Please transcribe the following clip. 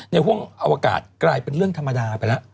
ห่วงอวกาศกลายเป็นเรื่องธรรมดาไปแล้ว